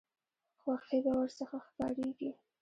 خوښي به ورڅخه ښکاریږي.